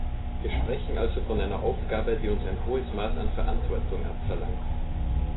Wir sprechen also von einer Aufgabe, die uns ein hohes Maß an Verantwortung abverlangt.